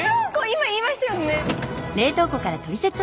今言いましたよね？